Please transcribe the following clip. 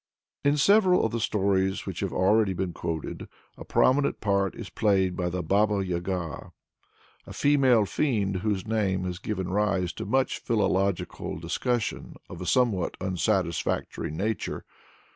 In several of the stories which have already been quoted, a prominent part is played by the Baba Yaga, a female fiend whose name has given rise to much philological discussion of a somewhat unsatisfactory nature.